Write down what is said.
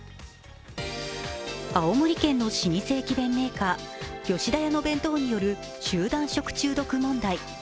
青森県の老舗駅弁メーカー・吉田屋の弁当による集団食中毒問題。